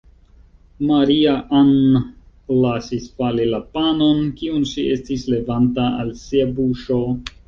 Maria-Ann lasis fali la panon, kiun ŝi estis levanta al sia buŝo.